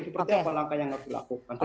seperti apa langkah yang harus dilakukan